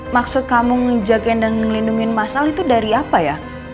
maksud kamu ngejagain dan ngelindungin mas al itu dari apa ya